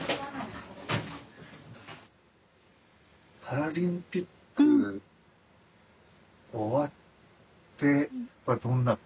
パラリンピック終わってどんな感じだった。